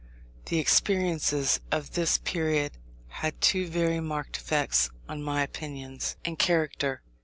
The experiences of this period had two very marked effects on my opinions and character.